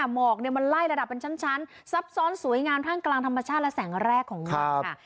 หมอกมันไล่ระดับเป็นชั้นซับซ้อนสวยงามท่ามกลางธรรมชาติและแสงแรกของมันค่ะ